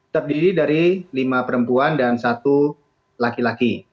terdiri dari lima perempuan dan satu laki laki